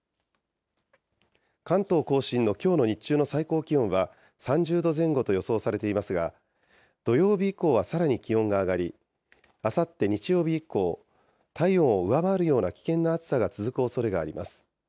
関東甲信のきょうの日中の最高気温は、３０度前後と予想されていますが、土曜日以降はさらに気温が上がり、あさって日曜日以降、体温を上回るような危険な暑さが続くおそれがあります。